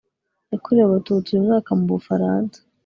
yakorewe abatutsi uyu mwaka mu bufaransa